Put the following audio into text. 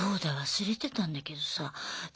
忘れてたんだけどさじゃ